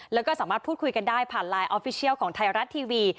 แล้วก็สามารถพูดคุยกันได้ผ่านไลน์ออฟฟิเชียลของไทยรัฐทีวี